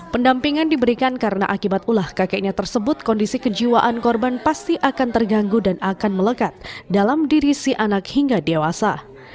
pendampingan diberikan karena akibat ulah kakeknya tersebut kondisi kejiwaan korban pasti akan terganggu dan akan melekat dalam diri si anak hingga dewasa